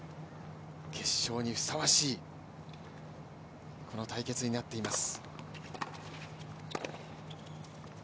決勝にふさわしいこの対決になっています。